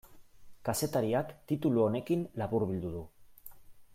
Kazetariak titulu honekin laburbildu du.